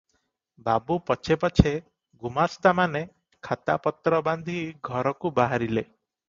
ବାବୁ ପଛେ ପଛେ ଗୁମାସ୍ତାମାନେ ଖାତାପତ୍ର ବାନ୍ଧି ଘରକୁ ବାହାରିଲେ ।